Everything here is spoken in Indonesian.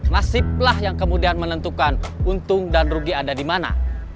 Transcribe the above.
nasiblah yang kemudian menentukan untung dan rugi ada di mana